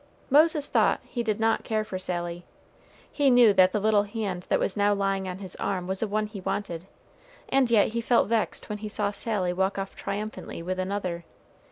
Moses thought he did not care for Sally; he knew that the little hand that was now lying on his arm was the one he wanted, and yet he felt vexed when he saw Sally walk off triumphantly with another.